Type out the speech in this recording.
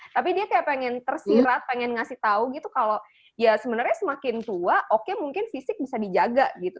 tapi dia kayak pengen tersirat pengen ngasih tau gitu kalau ya sebenarnya semakin tua oke mungkin fisik bisa dijaga gitu